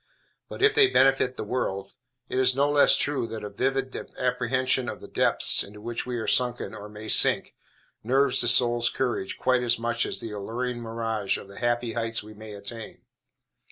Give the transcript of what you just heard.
But if they benefit the world, it is no less true that a vivid apprehension of the depths into which we are sunken or may sink, nerves the soul's courage quite as much as the alluring mirage of the happy heights we may attain.